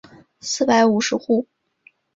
四百五十户。